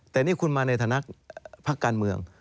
แต่นี่คุณมาในฐานะพักการเมือง